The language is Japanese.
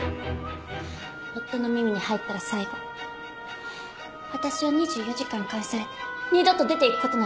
夫の耳に入ったら最後私は２４時間監視されて二度と出ていく事なんかできない。